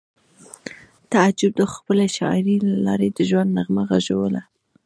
تعجب د خپلې شاعرۍ له لارې د ژوند نغمه غږوله